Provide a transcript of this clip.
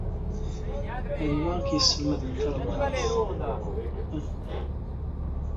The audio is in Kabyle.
Anwa ay ak-yesselmaden talmanit?